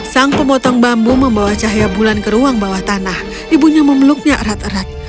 sang pemotong bambu membawa cahaya bulan ke ruang bawah tanah ibunya memeluknya erat erat